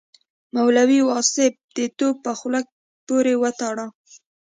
مولوي واصف د توپ په خوله پورې وتاړه.